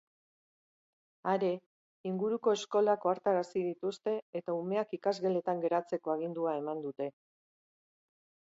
Are, inguruko eskolak ohartarazi dituzte eta umeak ikasgeletan geratzeko agindua eman dute.